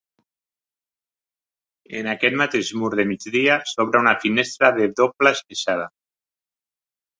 En aquest mateix mur de migdia s'obre una finestra de dobla esqueixada.